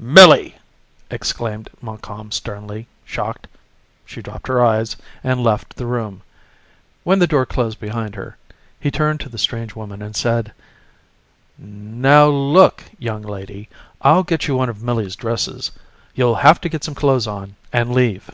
"Millie!" exclaimed Montcalm sternly, shocked. She dropped her eyes and left the room. When the door closed behind her, he turned to the strange woman and said: "Now, look, young lady, I'll get you one of Millie's dresses. You'll have to get some clothes on and leave."